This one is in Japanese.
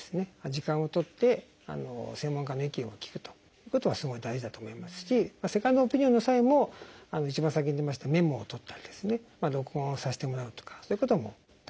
時間を取って専門家の意見を聞くということはすごい大事だと思いますしセカンドオピニオンの際も一番先に出ましたメモを取ったり録音をさせてもらうとかそういうことも大事かと思いますね。